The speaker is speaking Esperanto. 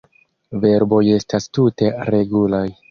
Verboj estas tute regulaj.